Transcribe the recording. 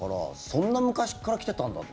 そんな昔から来てたんだ。